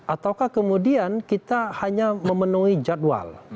ataukah kemudian kita hanya memenuhi jadwal